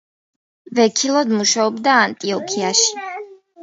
ვექილად მუშაობდა ანტიოქიაში.